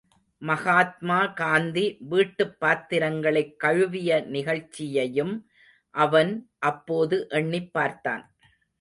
மகாத்மா காந்தி வீட்டுப்பாத்திரங்களைக் கழுவிய நிகழ்ச்சியையும் அவன் அப்போது எண்ணிப் பார்த்தான்.